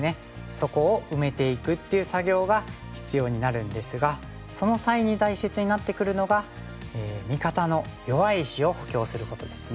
そこを埋めていくっていう作業が必要になるんですがその際に大切になってくるのが味方の弱い石を補強することですね。